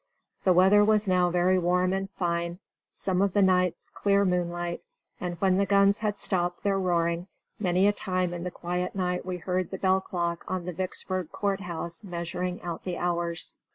The weather was now very warm and fine, some of the nights clear moonlight, and when the guns had stopped their roaring many a time in the quiet night we heard the bell clock on the Vicksburg Court House measuring out the hours.